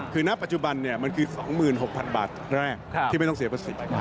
คือณปัจจุบันมันคือ๒๖๐๐๐บาทแรกที่ไม่ต้องเสียภาษี